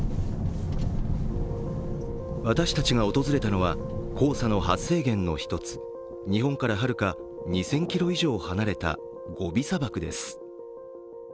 私たちが訪れたのは黄砂の発生源の一つ、日本からはるか２０００ｋｍ以上離れたゴビ砂漠です。